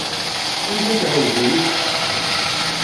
Anda-t uɛewdiw-ik?